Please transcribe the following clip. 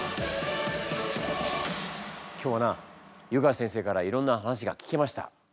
今日はな湯川先生からいろんな話が聞けました。